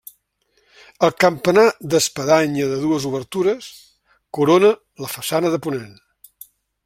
El campanar d'espadanya de dues obertures corona la façana de ponent.